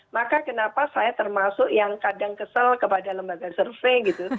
maka kenapa saya termasuk yang kadang kesel kepada lembaga survei gitu